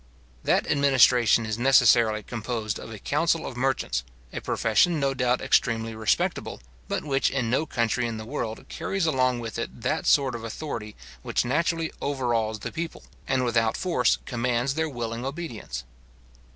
That administration is necessarily composed of a council of merchants, a profession no doubt extremely respectable, but which in no country in the world carries along with it that sort of authority which naturally overawes the people, and without force commands their willing obedience.